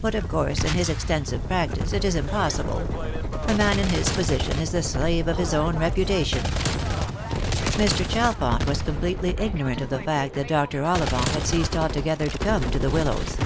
But of course, with his exten sive practice, it is impossible ; a man in his position is the slave of his own reputation." Mr. Chalfont was completely ignorant of the fact that Dr. Ollivant had ceased altogether to come to the Willows.